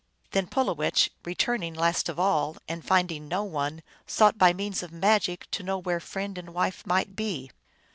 Then Pulowech, returning last of all, and finding no one, sought by means of magic to know where friend and wife might be.